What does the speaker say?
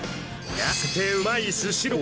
安くてうまいスシロー